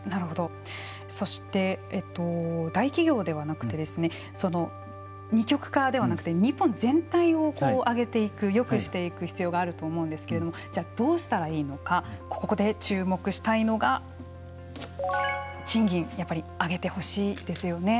そして大企業ではなくて二極化ではなくて日本全体を上げていくよくしていく必要があると思うんですけれどもどうしたらいいのかここで注目したいのが賃金、やっぱり上げてほしいですよね。